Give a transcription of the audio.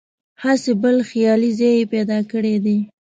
هسې بل خیالي ځای یې پیدا کړی دی.